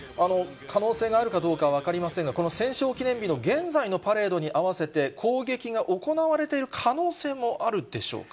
可能性があるかどうかは分かりませんが、この戦勝記念日の現在のパレードに合わせて、攻撃が行われている可能性もあるでしょうか。